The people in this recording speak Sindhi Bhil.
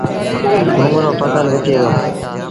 منڱ رو ڦسل با ٿئي دو